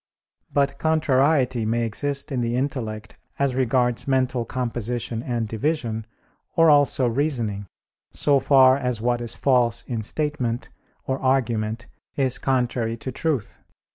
But contrariety may exist in the intellect as regards mental composition and division, or also reasoning; so far as what is false in statement or argument is contrary to truth.